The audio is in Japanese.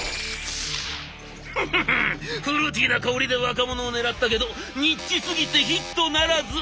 「フフフフルーティーな香りで若者を狙ったけどニッチすぎてヒットならず！」。